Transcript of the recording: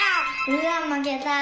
うわっまけた！